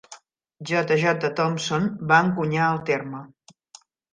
J. J. Thomson va encunyar el terme.